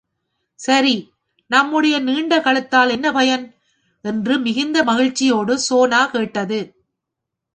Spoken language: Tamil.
சரி, நம்முடைய நீண்ட கழுத்தால் என்ன பயன்? என்று மிகுந்த மகிழ்ச்சியோடு சோனா கேட்டது.